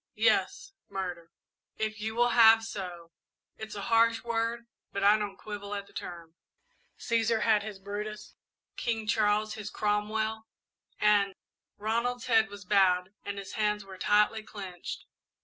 "Yes, murder, if you will have so. It's a harsh word, but I don't quibble at the term. 'Cæsar had his Brutus, King Charles his Cromwell, and '" Ronald's head was bowed and his hands were tightly clenched.